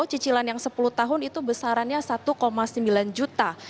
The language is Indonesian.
cicilan yang sepuluh tahun itu besarannya satu sembilan juta